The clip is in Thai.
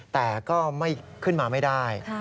แต่ก็ไม่ขึ้นมาไม่ได้